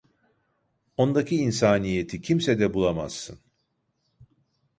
Ondaki insaniyeti kimsede bulamazsın.